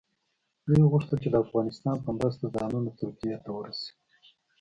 دوی غوښتل چې د افغانستان په مرسته ځانونه ترکیې ته ورسوي.